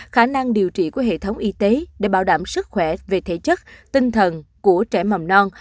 khả năng điều trị của hệ thống y tế để bảo đảm sức khỏe về thể chất tinh thần của trẻ mầm non